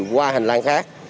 qua hành lang khác